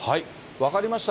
分かりました。